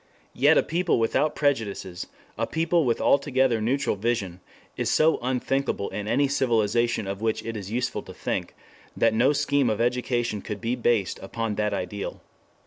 Yet a people without prejudices, a people with altogether neutral vision, is so unthinkable in any civilization of which it is useful to think, that no scheme of education could be based upon that ideal.